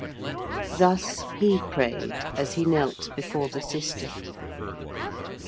Thus he prayed as he knelt before the sister.